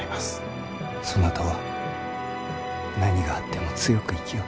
そなたは何があっても強く生きよ。